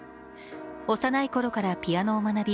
幼い頃からピアノを学び